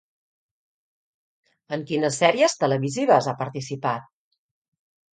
En quines sèries televisives ha participat?